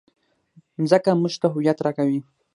مځکه موږ ته هویت راکوي.